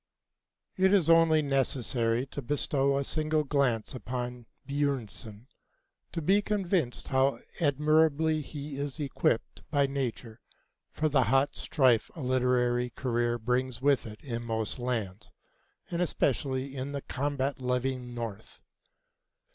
It is only necessary to bestow a single glance upon Björnson to be convinced how admirably he is equipped by nature for the hot strife a literary career brings with it in most lands, and especially in the combat loving North.